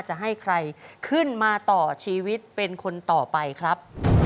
จะให้ใครขึ้นมาต่อชีวิตเป็นคนต่อไปครับ